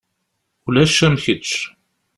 Ulac am kečč.